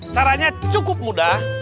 caranya cukup mudah